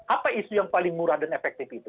apa isu yang paling murah dan efektif itu